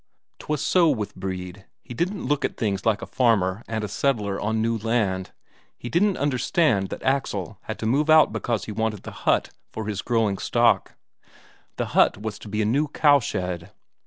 'Twas so with Brede, he didn't look at things like a farmer and a settler on new land; he didn't understand that Axel had to move out because he wanted the hut for his growing stock; the hut was to be a new cowshed.